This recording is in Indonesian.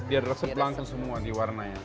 dia resep langsung semua di warnanya